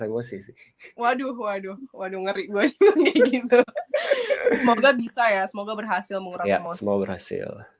emosi sih waduh waduh waduh ngeri buat gitu semoga bisa ya semoga berhasil menguras emosi ya semoga berhasil